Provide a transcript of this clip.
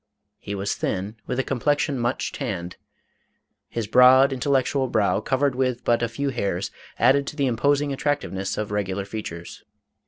He was thin, with a complexion much tanned. His broad, intellectual brow, covered with but few hairs, added to the imposing attractiveness of regular features.